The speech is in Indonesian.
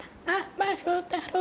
terus berapa saya masuk terus